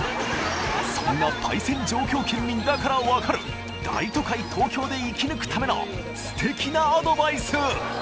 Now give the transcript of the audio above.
そんなパイセン上京県民だからこそ分かる、大都会、東京で生き抜くためのすてきなアドバイス。